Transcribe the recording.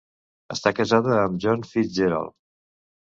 Està casada amb John Fitz-Gerald.